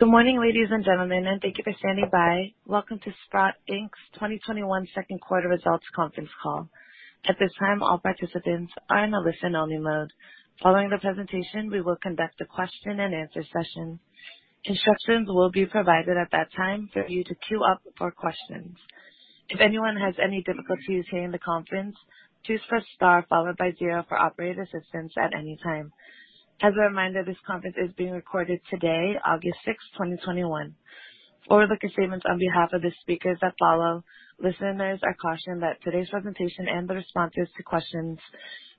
Good morning, ladies and gentlemen, and thank you for standing by. Welcome to Sprott Inc.'s 2021 second quarter results conference call. At this time, all participants are in a listen-only mode. Following the presentation, we will conduct a question-and-answer session. Instructions will be provided at that time for you to queue up for questions. If anyone has any difficulties hearing the conference, choose star, followed by zero for operator assistance at any time. As a reminder, this conference is being recorded today, August 6th, 2021. Forward-looking statements on behalf of the speakers that follow. Listeners are cautioned that today's presentation and the responses to questions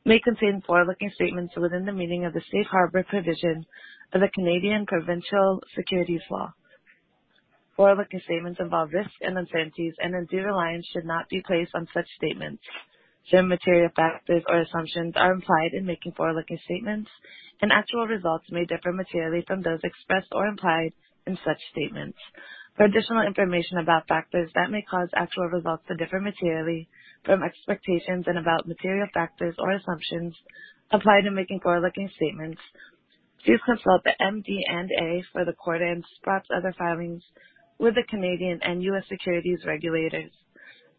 may contain forward-looking statements within the meaning of the safe harbor provision of the Canadian provincial securities law. Forward-looking statements involve risks and uncertainties, and undue reliance should not be placed on such statements. Certain material factors or assumptions are implied in making forward-looking statements, and actual results may differ materially from those expressed or implied in such statements. For additional information about factors that may cause actual results to differ materially from expectations and about material factors or assumptions implied in making forward-looking statements, please consult the MD&A for the quarter and Sprott's other filings with the Canadian and U.S. securities regulators.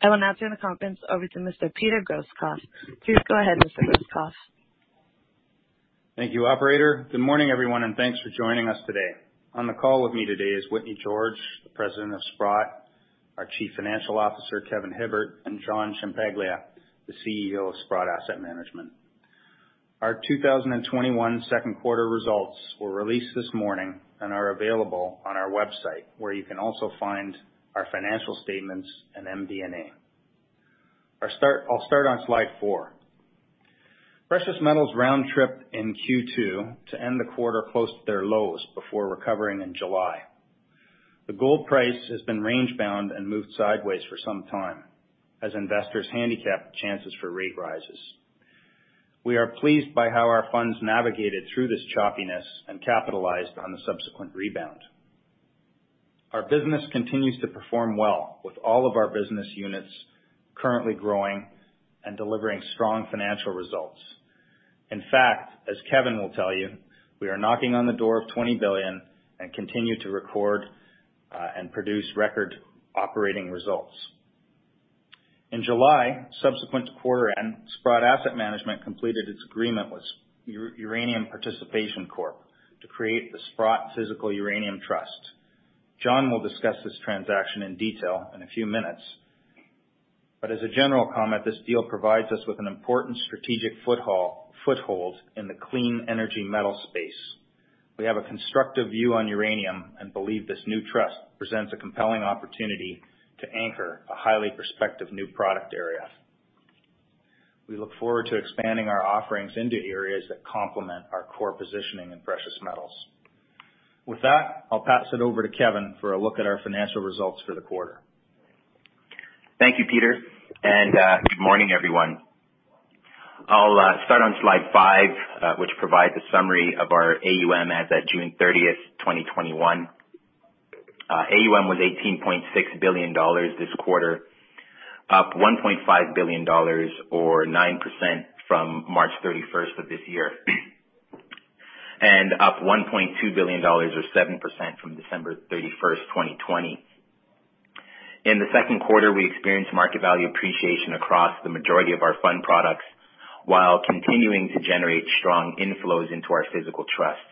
I will now turn the conference over to Mr. Peter Grosskopf. Please go ahead, Mr. Grosskopf. Thank you, operator. Good morning, everyone, and thanks for joining us today. On the call with me today is Whitney George, the president of Sprott, our chief financial officer, Kevin Hibbert, and John Ciampaglia, the CEO of Sprott Asset Management. Our 2021 second quarter results were released this morning and are available on our website, where you can also find our financial statements and MD&A. I'll start on slide 4. Precious metals round trip in Q2 to end the quarter close to their lows before recovering in July. The gold price has been range bound and moved sideways for some time as investors handicap the chances for rate rises. We are pleased by how our funds navigated through this choppiness and capitalized on the subsequent rebound. Our business continues to perform well with all of our business units currently growing and delivering strong financial results. In fact, as Kevin will tell you, we are knocking on the door of 20 billion and continue to record and produce record operating results. In July, subsequent to quarter end, Sprott Asset Management completed its agreement with Uranium Participation Corporation to create the Sprott Physical Uranium Trust. John will discuss this transaction in detail in a few minutes. As a general comment, this deal provides us with an important strategic foothold in the clean energy metal space. We have a constructive view on uranium and believe this new trust presents a compelling opportunity to anchor a highly prospective new product area. We look forward to expanding our offerings into areas that complement our core positioning in precious metals. With that, I'll pass it over to Kevin for a look at our financial results for the quarter. Thank you, Peter. Good morning, everyone. I'll start on slide 5, which provides a summary of our AUM as at June 30th, 2021. AUM was 18.6 billion dollars this quarter, up 1.5 billion dollars or 9% from March 31st of this year, up 1.2 billion dollars or 7% from December 31st, 2020. In the second quarter, we experienced market value appreciation across the majority of our fund products while continuing to generate strong inflows into our physical trusts.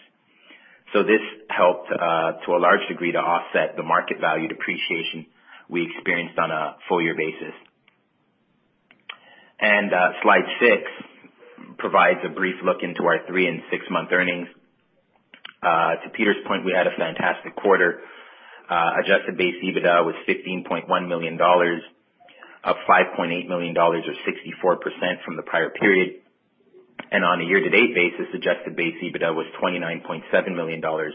This helped to a large degree to offset the market value depreciation we experienced on a full year basis. Slide 6 provides a brief look into our three and six-month earnings. To Peter's point, we had a fantastic quarter. Adjusted base EBITDA was 15.1 million dollars, up 5.8 million dollars or 64% from the prior period. On a year-to-date basis, adjusted base EBITDA was 29.7 million dollars,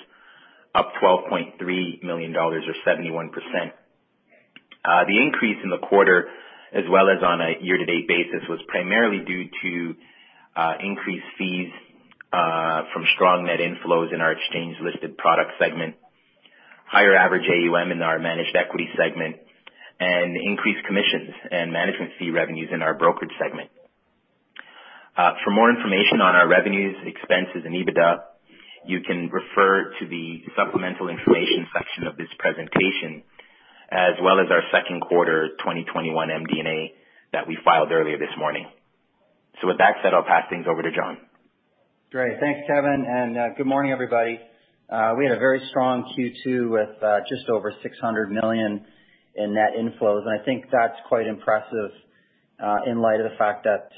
up 12.3 million dollars or 71%. The increase in the quarter, as well as on a year-to-date basis, was primarily due to increased fees from strong net inflows in our exchange-listed product segment, higher average AUM in our managed equity segment, and increased commissions and management fee revenues in our brokerage segment. For more information on our revenues, expenses, and EBITDA, you can refer to the supplemental information section of this presentation, as well as our second quarter 2021 MD&A that we filed earlier this morning. With that said, I'll pass things over to John. Great. Thanks, Kevin, and good morning, everybody. We had a very strong Q2 with just over $600 million in net inflows, and I think that's quite impressive in light of the fact that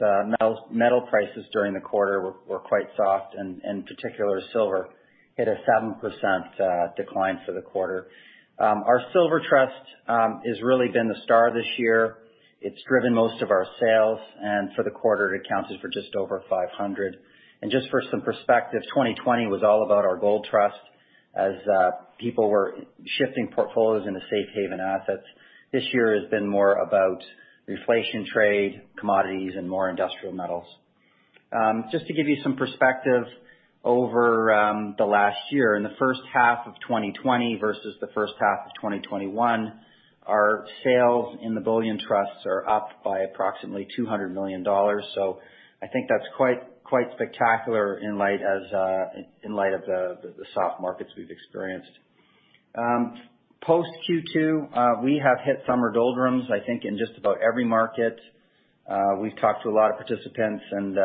metal prices during the quarter were quite soft, and in particular, silver hit a 7% decline for the quarter. Our Silver Trust has really been the star this year. It's driven most of our sales, and for the quarter, it accounted for just over $500 million. Just for some perspective, 2020 was all about our Gold Trust as people were shifting portfolios into safe haven assets. This year has been more about the inflation trade, commodities, and more industrial metals. Just to give you some perspective over the last year, in the first half of 2020 versus the first half of 2021, our sales in the bullion trusts are up by approximately $200 million. I think that's quite spectacular in light of the soft markets we've experienced. Post Q2, we have hit summer doldrums, I think, in just about every market. We've talked to a lot of participants, and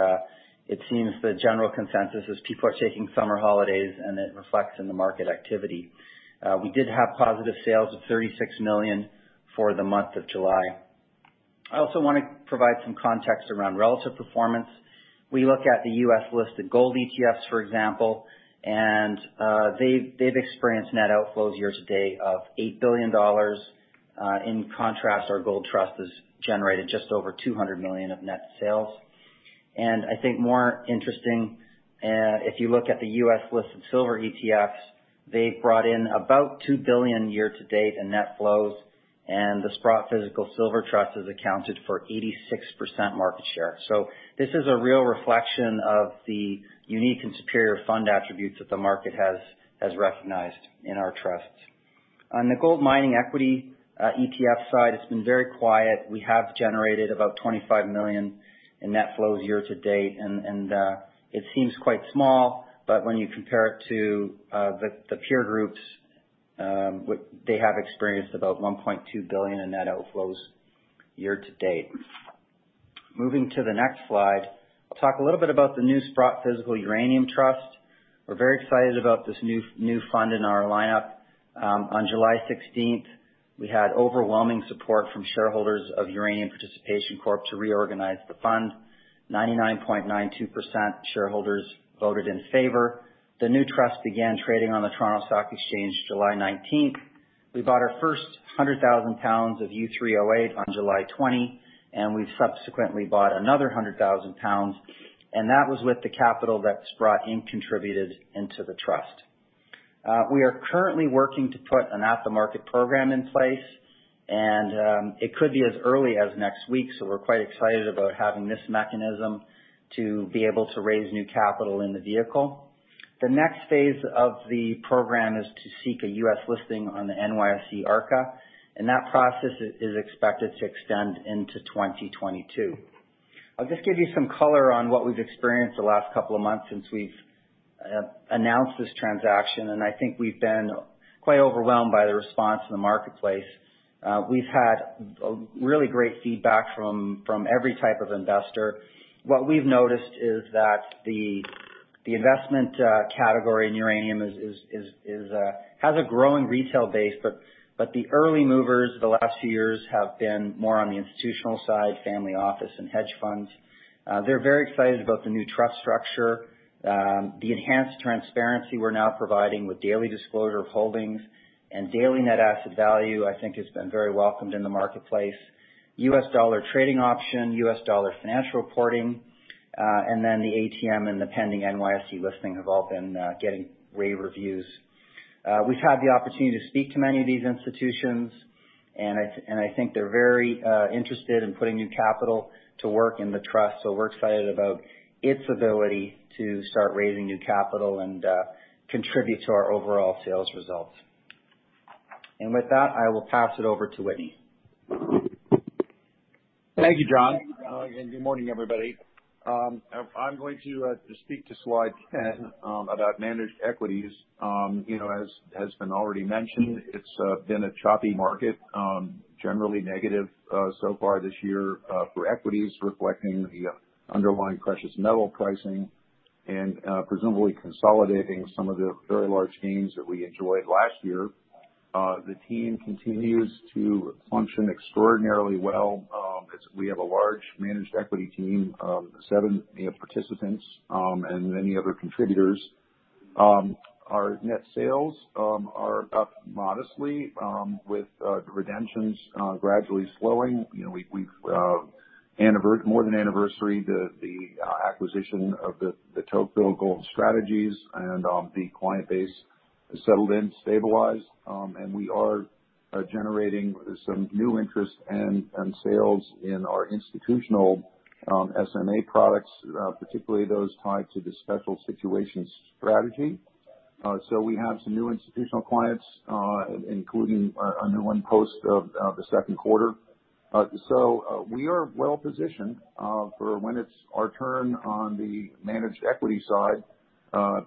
it seems the general consensus is people are taking summer holidays, and it reflects in the market activity. We did have positive sales of 36 million for the month of July. I also want to provide some context around relative performance. We look at the U.S.-listed gold ETFs, for example, and they've experienced net outflows year-to-date of $8 billion. In contrast, our Sprott Physical Gold Trust has generated just over $200 million of net sales. I think more interesting, if you look at the U.S.-listed silver ETFs, they've brought in about $2 billion year-to-date in net flows, and the Sprott Physical Silver Trust has accounted for 86% market share. This is a real reflection of the unique and superior fund attributes that the market has recognized in our trusts. On the gold mining equity ETF side, it's been very quiet. We have generated about 25 million in net flows year-to-date, and it seems quite small, but when you compare it to the peer groups, they have experienced about 1.2 billion in net outflows year-to-date. Moving to the next slide. I'll talk a little bit about the new Sprott Physical Uranium Trust. We're very excited about this new fund in our lineup. On July 16th, we had overwhelming support from shareholders of Uranium Participation Corporation to reorganize the fund. 99.92% shareholders voted in favor. The new trust began trading on the Toronto Stock Exchange July 19th. We bought our first 100,000 lbs of U3O8 on July 20, and we've subsequently bought another 100,000 lbs, and that was with the capital that Sprott Inc. contributed into the trust. We are currently working to put an at-the-market program in place, and it could be as early as next week, so we're quite excited about having this mechanism to be able to raise new capital in the vehicle. The next phase of the program is to seek a U.S. listing on the NYSE Arca, and that process is expected to extend into 2022. I'll just give you some color on what we've experienced the last couple of months since we've announced this transaction, and I think we've been quite overwhelmed by the response in the marketplace. We've had really great feedback from every type of investor. What we've noticed is that the investment category in uranium has a growing retail base, but the early movers the last few years have been more on the institutional side, family office, and hedge funds. They're very excited about the new trust structure. The enhanced transparency we're now providing with daily disclosure of holdings and daily net asset value, I think has been very welcomed in the marketplace. U.S. dollar trading option, U.S. dollar financial reporting, and then the ATM and the pending NYSE listing have all been getting rave reviews. We've had the opportunity to speak to many of these institutions, and I think they're very interested in putting new capital to work in the trust. We're excited about its ability to start raising new capital and contribute to our overall sales results. With that, I will pass it over to Whitney. Thank you, John, and good morning, everybody. I'm going to speak to slide 10 about managed equities. As has been already mentioned, it's been a choppy market, generally negative so far this year for equities, reflecting the underlying precious metal pricing and presumably consolidating some of the very large gains that we enjoyed last year. The team continues to function extraordinarily well, as we have a large managed equity team of seven participants, and many other contributors. Our net sales are up modestly with redemptions gradually slowing. We've more than anniversary the acquisition of the Tocqueville Gold Strategies and the client base has settled in, stabilized, and we are generating some new interest and sales in our institutional SMA products, particularly those tied to the special situations strategy. We have some new institutional clients, including a new one post of the second quarter. We are well positioned for when it's our turn on the managed equity side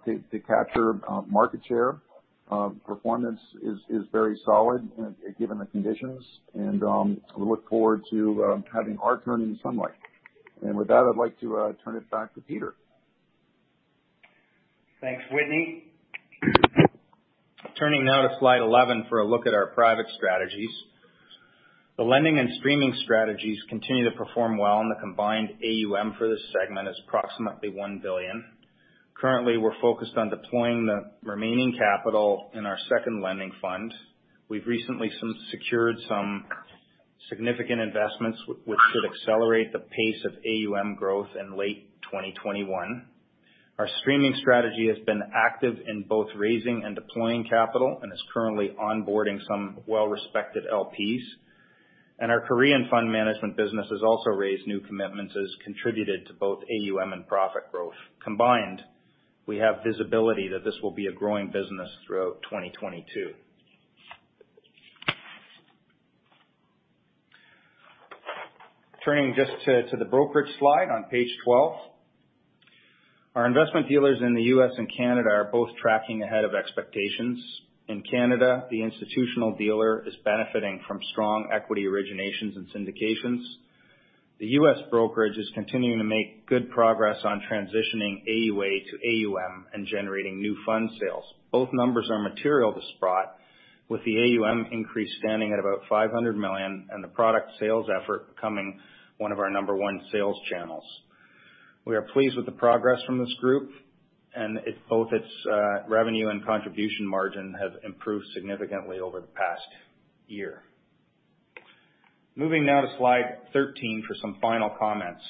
to capture market share. Performance is very solid given the conditions, and we look forward to having our turn in the sunlight. With that, I'd like to turn it back to Peter. Thanks, Whitney. Turning now to slide 11 for a look at our private strategies. The lending and streaming strategies continue to perform well, and the combined AUM for this segment is approximately 1 billion. Currently, we're focused on deploying the remaining capital in our second lending fund. We've recently secured some significant investments, which should accelerate the pace of AUM growth in late 2021. Our streaming strategy has been active in both raising and deploying capital and is currently onboarding some well-respected LPs. Our Korean fund management business has also raised new commitments and contributed to both AUM and profit growth. Combined, we have visibility that this will be a growing business throughout 2022. Turning just to the brokerage slide on page 12. Our investment dealers in the U.S. and Canada are both tracking ahead of expectations. In Canada, the institutional dealer is benefiting from strong equity originations and syndications. The U.S. brokerage is continuing to make good progress on transitioning AUA to AUM and generating new fund sales. Both numbers are material to Sprott, with the AUM increase standing at about 500 million, and the product sales effort becoming one of our number one sales channels. We are pleased with the progress from this group and both its revenue and contribution margin have improved significantly over the past year. Moving now to slide 13 for some final comments.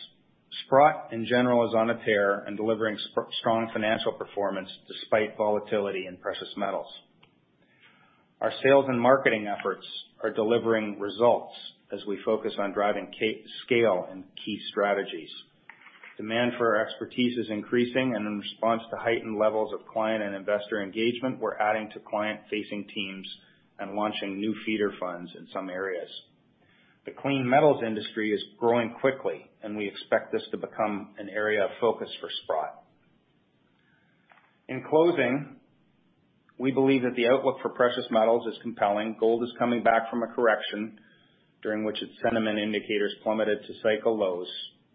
Sprott, in general, is on a tear and delivering strong financial performance despite volatility in precious metals. Our sales and marketing efforts are delivering results as we focus on driving scale and key strategies. Demand for our expertise is increasing, and in response to heightened levels of client and investor engagement, we're adding to client-facing teams and launching new feeder funds in some areas. The clean metals industry is growing quickly, and we expect this to become an area of focus for Sprott. In closing, we believe that the outlook for precious metals is compelling. Gold is coming back from a correction during which its sentiment indicators plummeted to cycle lows,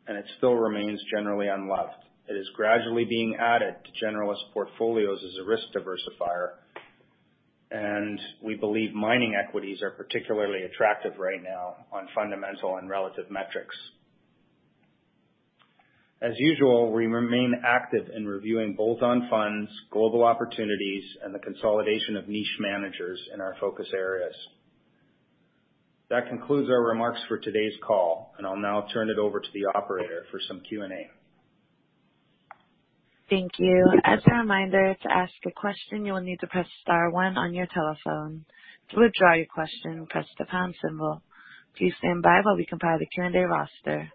and it still remains generally unloved. It is gradually being added to generalist portfolios as a risk diversifier, and we believe mining equities are particularly attractive right now on fundamental and relative metrics. As usual, we remain active in reviewing bolt-on funds, global opportunities, and the consolidation of niche managers in our focus areas. That concludes our remarks for today's call, and I'll now turn it over to the operator for some Q&A. Thank you. As a reminder, to ask a question, you will need to press star one on your telephone. To withdraw your question, press the pound symbol. Please stand by while we compile the Q&A roster.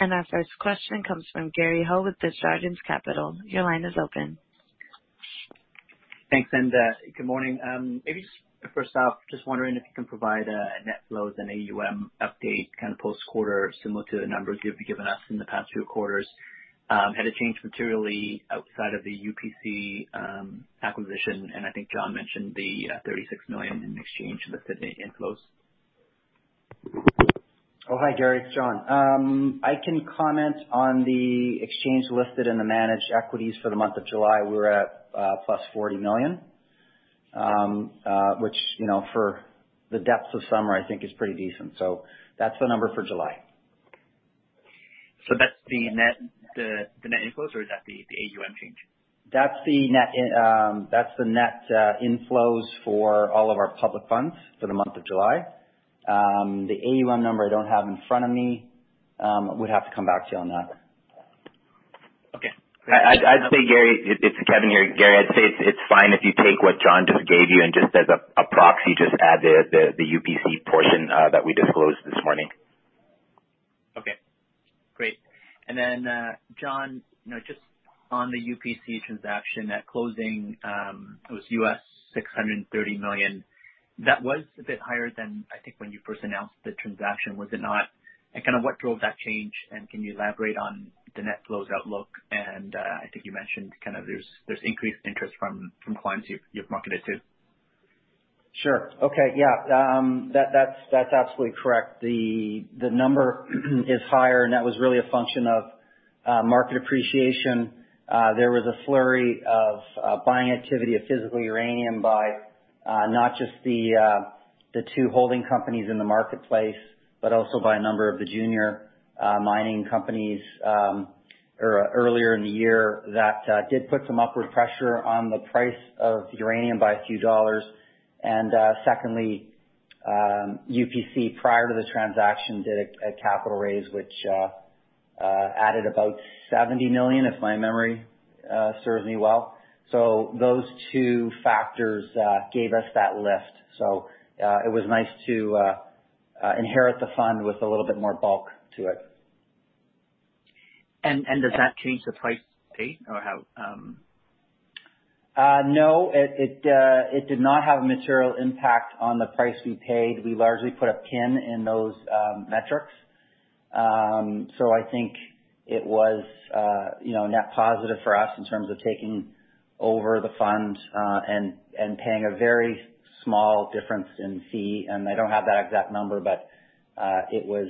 Our first question comes from Gary Ho with Desjardins Capital. Your line is open. Thanks, and good morning. Maybe just first off, just wondering if you can provide a net flows and AUM update post-quarter similar to the numbers you've given us in the past 2 quarters. Had it changed materially outside of the UPC acquisition? I think John mentioned the 36 million in exchange listed inflows. Hi, Gary. It's John. I can comment on the exchange listed in the managed equities for the month of July. We were at +40 million, which for the depths of summer, I think, is pretty decent. That's the number for July. That's the net inflows, or is that the AUM change? That's the net inflows for all of our public funds for the month of July. The AUM number I don't have in front of me. Would have to come back to you on that. Okay. I'd say, Gary, it's Kevin here. Gary, I'd say it's fine if you take what John just gave you and just as a proxy, just add the UPC portion that we disclosed this morning. Okay, great. John, just on the UPC transaction, that closing, it was $630 million. That was a bit higher than I think when you first announced the transaction, was it not? What drove that change, can you elaborate on the net flows outlook? I think you mentioned there's increased interest from clients you've marketed to. Sure. Okay. Yeah. That's absolutely correct. The number is higher. That was really a function of market appreciation. There was a flurry of buying activity of physical uranium by not just the two holding companies in the marketplace, but also by a number of the junior mining companies earlier in the year that did put some upward pressure on the price of uranium by a few dollars. Secondly, UPC, prior to the transaction, did a capital raise, which added about 70 million, if my memory serves me well. Those two factors gave us that lift. It was nice to inherit the fund with a little bit more bulk to it. Does that change the price paid? No, it did not have a material impact on the price we paid. We largely put a pin in those metrics. I think it was net positive for us in terms of taking over the fund and paying a very small difference in fee. I don't have that exact number, but it was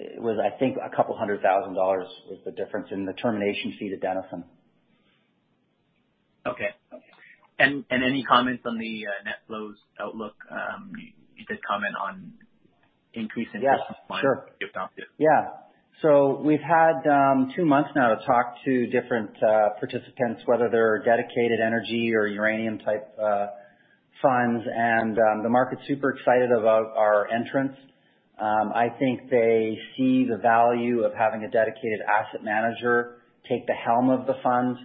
I think 200,000 dollars was the difference in the termination fee to Denison. Okay. Any comments on the net flows outlook? You did comment on increased interest from clients you've talked to. Yeah, sure. We've had 2 months now to talk to different participants, whether they're dedicated energy or uranium type funds, and the market's super excited about our entrance. I think they see the value of having a dedicated asset manager take the helm of the fund.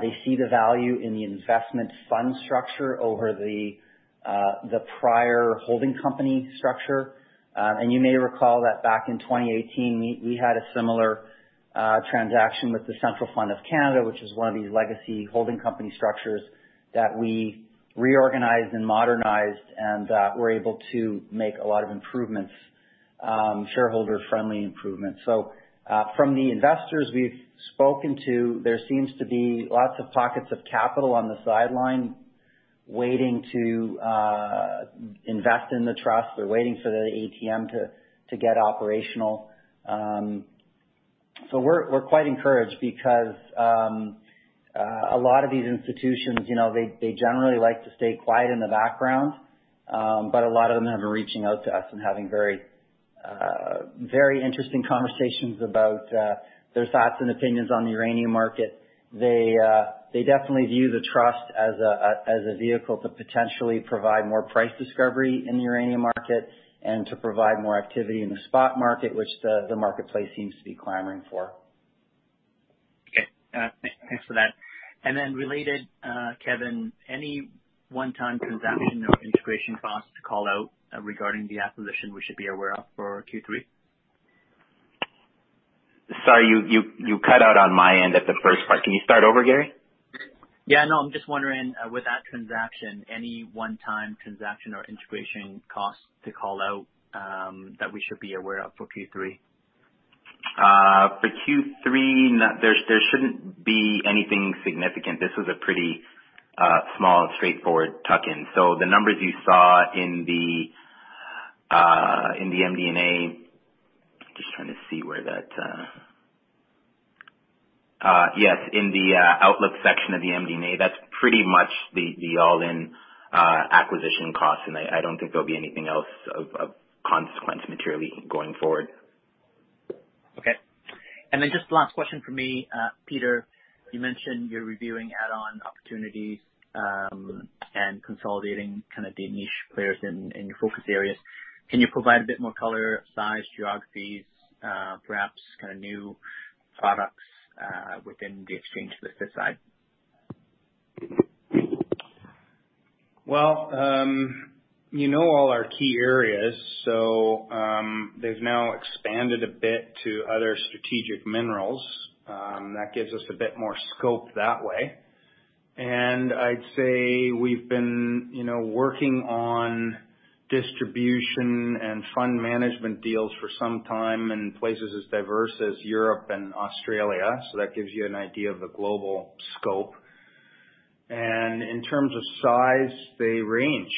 They see the value in the investment fund structure over the prior holding company structure. You may recall that back in 2018, we had a similar transaction with the Central Fund of Canada, which is one of these legacy holding company structures that we reorganized and modernized and were able to make a lot of improvements Shareholder-friendly improvements. From the investors we've spoken to, there seems to be lots of pockets of capital on the sideline waiting to invest in the trust. They're waiting for the ATM to get operational. We're quite encouraged because a lot of these institutions, they generally like to stay quiet in the background. A lot of them have been reaching out to us and having very interesting conversations about their thoughts and opinions on the uranium market. They definitely view the trust as a vehicle to potentially provide more price discovery in the uranium market and to provide more activity in the spot market, which the marketplace seems to be clamoring for. Okay. Thanks for that. Related, Kevin, any one-time transaction or integration costs to call out regarding the acquisition we should be aware of for Q3? Sorry, you cut out on my end at the first part. Can you start over, Gary? Yeah, no, I'm just wondering, with that transaction, any one-time transaction or integration costs to call out that we should be aware of for Q3? For Q3, there shouldn't be anything significant. This was a pretty small, straightforward tuck-in. The numbers you saw in the MD&A, in the outlook section of the MD&A, that's pretty much the all-in acquisition cost. I don't think there'll be anything else of consequence materially going forward. Okay. Just the last question from me. Peter, you mentioned you're reviewing add-on opportunities and consolidating kind of the niche players in your focus areas. Can you provide a bit more color, size, geographies, perhaps kind of new products within the exchange listed side? Well, you know all our key areas. They've now expanded a bit to other strategic minerals. That gives us a bit more scope that way. I'd say we've been working on distribution and fund management deals for some time in places as diverse as Europe and Australia. That gives you an idea of the global scope. In terms of size, they range.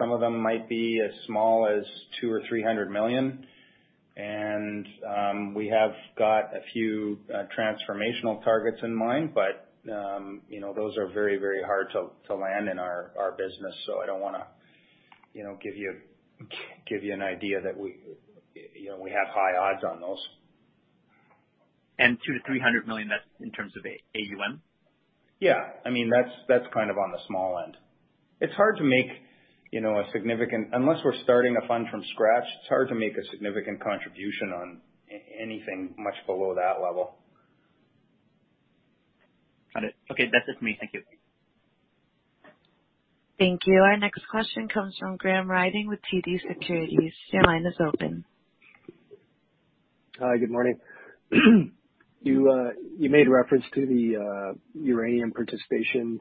Some of them might be as small as 200 million or 300 million. We have got a few transformational targets in mind, but those are very hard to land in our business. I don't want to give you an idea that we have high odds on those. 2 million, 300 million, that's in terms of AUM? Yeah. That's kind of on the small end. Unless we're starting a fund from scratch, it's hard to make a significant contribution on anything much below that level. Got it. Okay. That's just me. Thank you. Thank you. Our next question comes from Graham Ryding with TD Securities. Your line is open. Hi. Good morning. You made reference to the Uranium Participation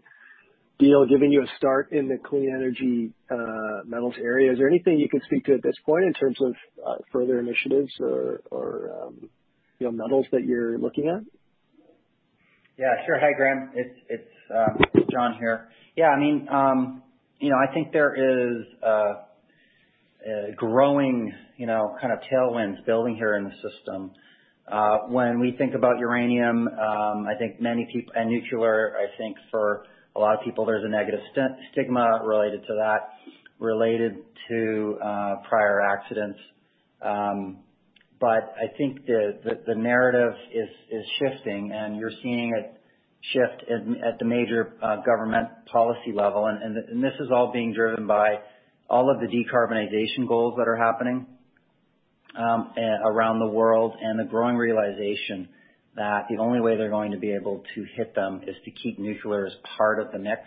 deal giving you a start in the clean energy metals area. Is there anything you can speak to at this point in terms of further initiatives or metals that you're looking at? Yeah, sure. Hi, Graham. It's John here. Yeah, I think there is a growing kind of tailwind building here in the system. When we think about uranium and nuclear, I think for a lot of people, there's a negative stigma related to that, related to prior accidents. I think the narrative is shifting, and you're seeing a shift at the major government policy level. This is all being driven by all of the decarbonization goals that are happening around the world, and the growing realization that the only way they're going to be able to hit them is to keep nuclear as part of the mix.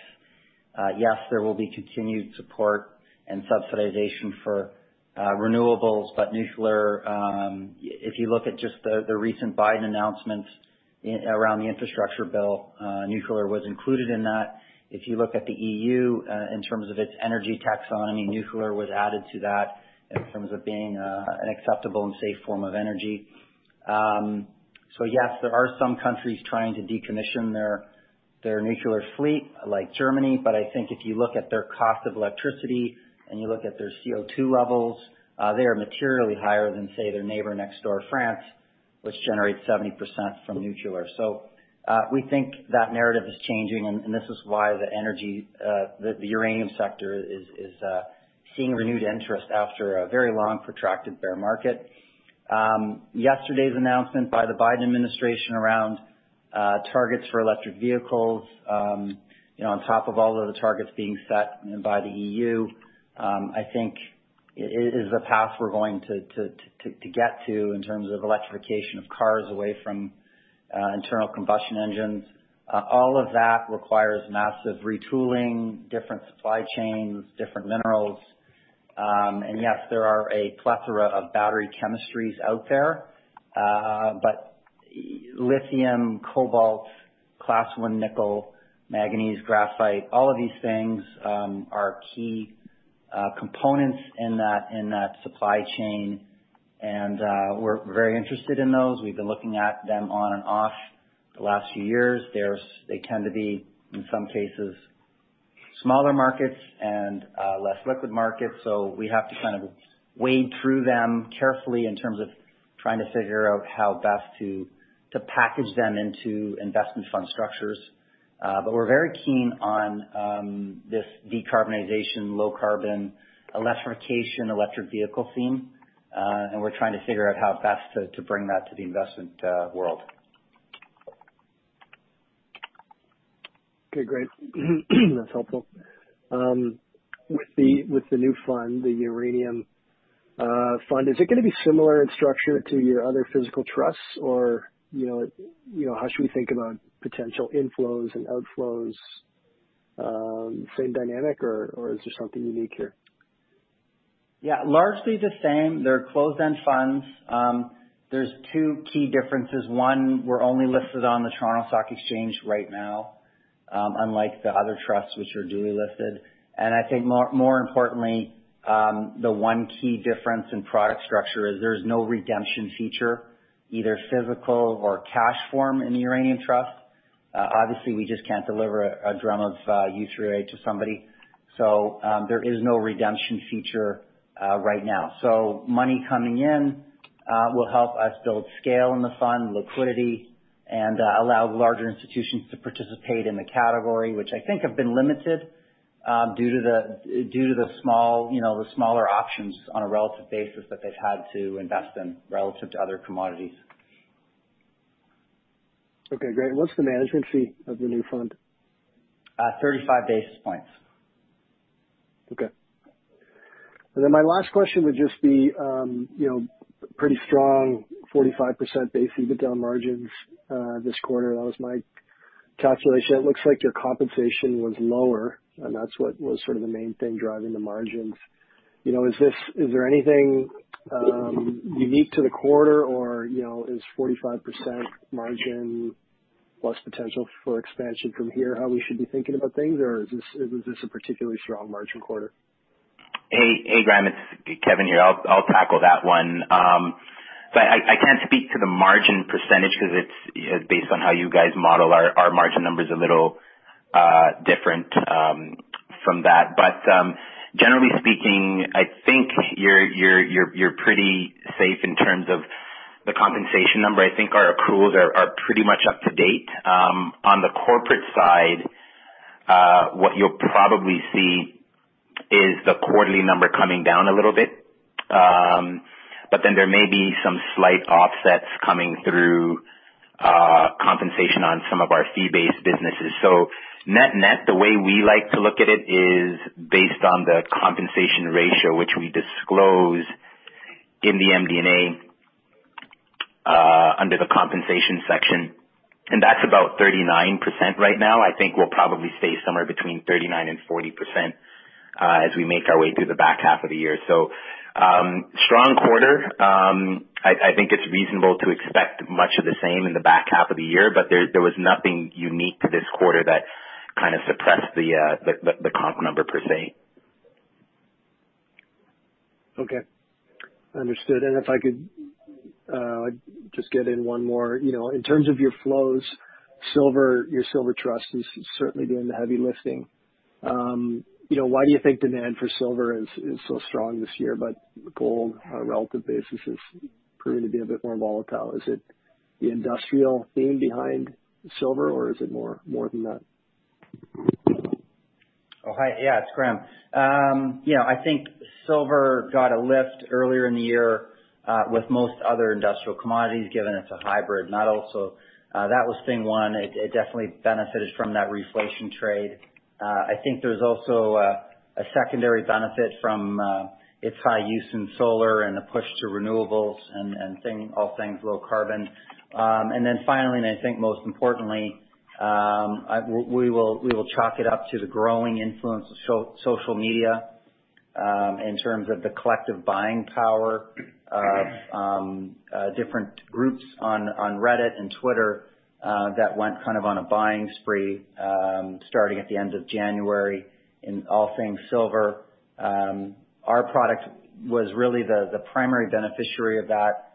Yes, there will be continued support and subsidization for renewables. Nuclear, if you look at just the recent Biden announcements around the Infrastructure Bill, nuclear was included in that. If you look at the EU in terms of its energy taxonomy, nuclear was added to that in terms of being an acceptable and safe form of energy. Yes, there are some countries trying to decommission their nuclear fleet, like Germany. I think if you look at their cost of electricity and you look at their CO2 levels, they are materially higher than, say, their neighbor next door, France, which generates 70% from nuclear. We think that narrative is changing, and this is why the uranium sector is seeing renewed interest after a very long, protracted bear market. Yesterday's announcement by the Biden administration around targets for electric vehicles, on top of all of the targets being set by the EU, I think is the path we're going to get to in terms of electrification of cars away from internal combustion engines. All of that requires massive retooling, different supply chains, different minerals. Yes, there are a plethora of battery chemistries out there. Lithium, cobalt, class one nickel, manganese, graphite, all of these things are key components in that supply chain, and we're very interested in those. We've been looking at them on and off the last few years. They tend to be, in some cases, smaller markets and less liquid markets. We have to kind of wade through them carefully in terms of trying to figure out how best to package them into investment fund structures. We're very keen on this decarbonization, low carbon, electrification, electric vehicle theme. We're trying to figure out how best to bring that to the investment world. Okay, great. That's helpful. With the new fund, the Sprott Physical Uranium Trust, is it going to be similar in structure to your other physical trusts, or how should we think about potential inflows and outflows? Same dynamic or is there something unique here? Yeah, largely the same. They're closed-end funds. There's two key differences. One, we're only listed on the Toronto Stock Exchange right now, unlike the other trusts, which are dually listed. I think more importantly, the one key difference in product structure is there's no redemption feature, either physical or cash form in the uranium trust. Obviously, we just can't deliver a drum of U3O8 to somebody. There is no redemption feature right now. Money coming in will help us build scale in the fund, liquidity, and allow larger institutions to participate in the category, which I think have been limited due to the smaller options on a relative basis that they've had to invest in relative to other commodities. Okay, great. What's the management fee of the new fund? 35 basis points. Okay. My last question would just be, pretty strong 45% base EBITDA margins this quarter. That was my calculation. It looks like your compensation was lower, and that's what was sort of the main thing driving the margins. Is there anything unique to the quarter or is 45% margin plus potential for expansion from here how we should be thinking about things, or is this a particularly strong margin quarter? Hey, Graham, it's Kevin here. I'll tackle that one. I can't speak to the margin percentage because it's based on how you guys model our margin numbers a little different from that. Generally speaking, I think you're pretty safe in terms of the compensation number. I think our accruals are pretty much up to date. On the corporate side, what you'll probably see is the quarterly number coming down a little bit. There may be some slight offsets coming through compensation on some of our fee-based businesses. Net-net, the way we like to look at it is based on the compensation ratio, which we disclose in the MD&A under the compensation section, and that's about 39% right now. I think we'll probably stay somewhere between 39%-40% as we make our way through the back half of the year. Strong quarter. I think it's reasonable to expect much of the same in the back half of the year, but there was nothing unique to this quarter that kind of suppressed the comp number per se. Okay. Understood. If I could just get in one more. In terms of your flows, your silver trust is certainly doing the heavy lifting. Why do you think demand for silver is so strong this year, but gold on a relative basis has proven to be a bit more volatile? Is it the industrial theme behind silver, or is it more than that? Oh, hi. Yeah, it's Graham. I think silver got a lift earlier in the year with most other industrial commodities, given it's a hybrid metal. That was thing one. It definitely benefited from that reflation trade. I think there's also a secondary benefit from its high use in solar and a push to renewables and all things low carbon. Finally, and I think most importantly, we will chalk it up to the growing influence of social media in terms of the collective buying power of different groups on Reddit and Twitter that went kind of on a buying spree starting at the end of January in all things silver. Our product was really the primary beneficiary of that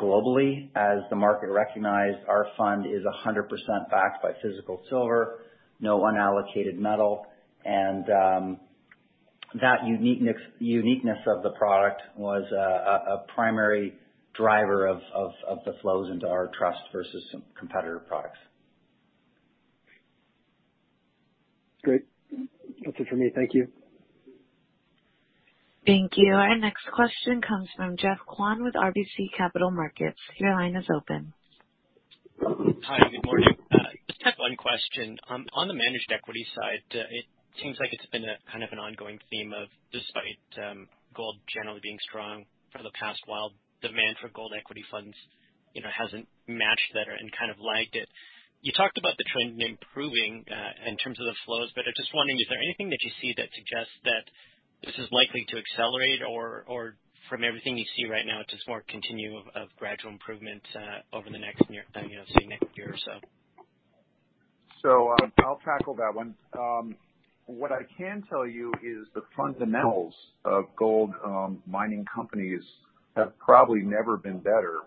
globally as the market recognized our fund is 100% backed by physical silver, no unallocated metal. That uniqueness of the product was a primary driver of the flows into our trust versus competitor products. Great. That's it for me. Thank you. Thank you. Our next question comes from Geoff Kwan with RBC Capital Markets. Hi, good morning. Just have one question. On the managed equity side, it seems like it's been kind of an ongoing theme of despite gold generally being strong for the past while, demand for gold equity funds hasn't matched that and kind of lagged it. You talked about the trend improving in terms of the flows, I'm just wondering, is there anything that you see that suggests that this is likely to accelerate or from everything you see right now, just more continue of gradual improvement over the next say, next year or so? I'll tackle that one. What I can tell you is the fundamentals of gold mining companies have probably never been better,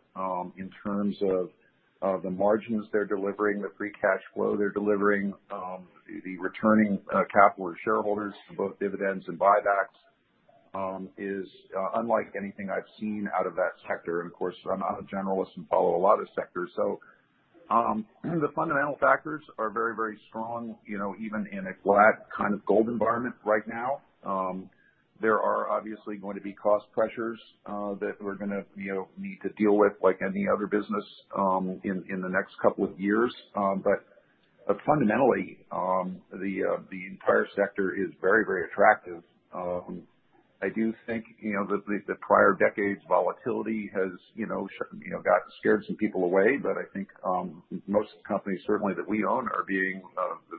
in terms of the margins they're delivering, the free cash flow they're delivering, the returning capital to shareholders for both dividends and buybacks, is unlike anything I've seen out of that sector. Of course, I'm not a generalist and follow a lot of sectors. The fundamental factors are very, very strong, even in a flat kind of gold environment right now. There are obviously going to be cost pressures that we're gonna need to deal with like any other business, in the next couple of years. Fundamentally, the entire sector is very, very attractive. I do think, the prior decades, volatility has scared some people away. I think, most companies certainly that we own are being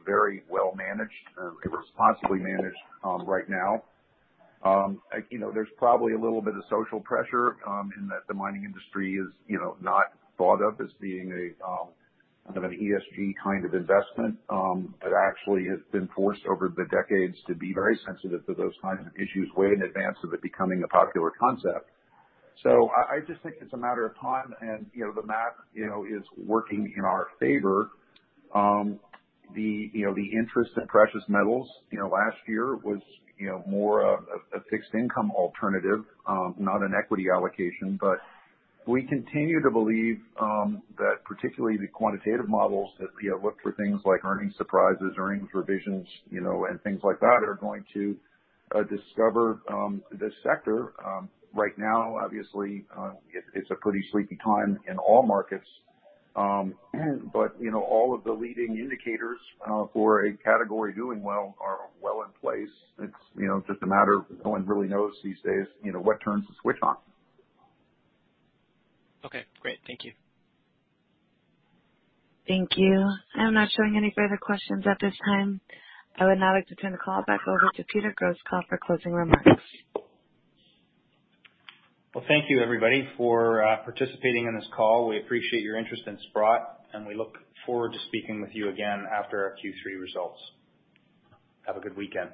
very well-managed and responsibly managed right now. There's probably a little bit of social pressure, in that the mining industry is not thought of as being an ESG kind of investment. It actually has been forced over the decades to be very sensitive to those kinds of issues way in advance of it becoming a popular concept. I just think it's a matter of time and the math is working in our favor. The interest in precious metals last year was more of a fixed income alternative, not an equity allocation. We continue to believe that particularly the quantitative models that look for things like earnings surprises, earnings revisions, and things like that are going to discover this sector. Right now obviously, it's a pretty sleepy time in all markets. All of the leading indicators for a category doing well are well in place. It's just a matter of no one really knows these days what turns the switch on. Okay, great. Thank you. Thank you. I'm not showing any further questions at this time. I would now like to turn the call back over to Peter Grosskopf for closing remarks. Well, thank you everybody for participating in this call. We appreciate your interest in Sprott, and we look forward to speaking with you again after our Q3 results. Have a good weekend.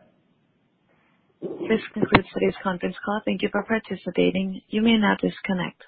This concludes today's conference call. Thank you for participating. You may now disconnect.